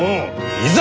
いざ！